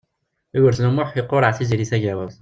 Yugurten U Muḥ iqureɛ Tiziri Tagawawt.